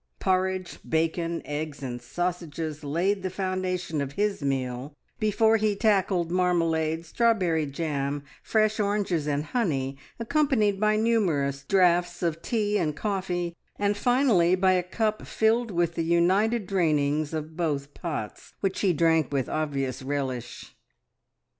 Porridge, bacon, eggs and sausages laid the foundation of his meal, before he tackled marmalade, strawberry jam, fresh oranges and honey, accompanied by numerous draughts of tea and coffee, and finally by a cup filled with the united drainings of both pots, which he drank with obvious relish.